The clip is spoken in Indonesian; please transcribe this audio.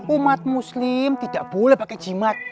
umat muslim tidak boleh pakai jimat